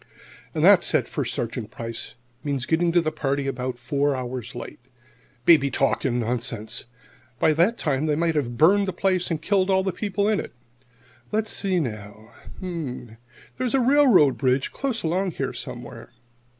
"And that," said First Sergeant Price, "means getting to the party about four hours late. Baby talk and nonsense! By that time they might have burned the place and killed all the people in it. Let's see, now: there's a railroad bridge close along here, somewhere."